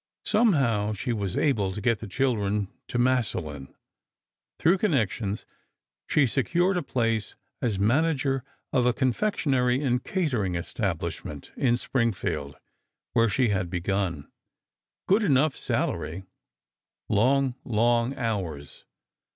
Somehow she was able to get the children to Massillon. Through connections she secured a place as manager of a confectionery and catering establishment—in Springfield, where she had begun; good enough salary,—long, long hours.